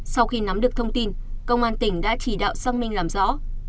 sau khi nắm được thông tin công an tỉnh đã chỉ đạo xác minh làm rõ